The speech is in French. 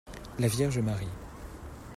La Vierge Marie.